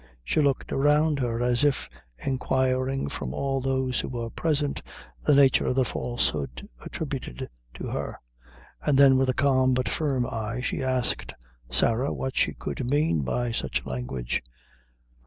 She looked around her, as if enquiring from all those who were present the nature of the falsehood attributed to her; and then with a calm but firm eye, she asked Sarah what she could mean by such language.